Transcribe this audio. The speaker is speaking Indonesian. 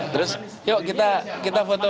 terus yuk kita foto